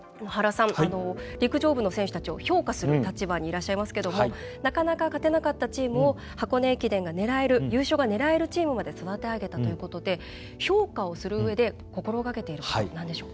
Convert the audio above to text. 陸上部の選手たちを評価する立場にいらっしゃいますけどもなかなか、勝てなかったチームを箱根駅伝で優勝が狙えるチームにまで育て上げたということで評価をするうえで心がけていること何でしょう？